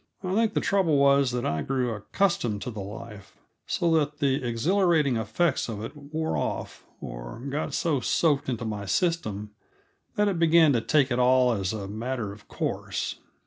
I think the trouble was that I grew accustomed to the life, so that the exhilarating effects of it wore off, or got so soaked into my system that I began to take it all as a matter of course.